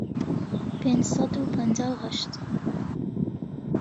پێنج سەد و پەنجا و هەشت